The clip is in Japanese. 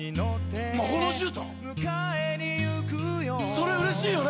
それうれしいよね。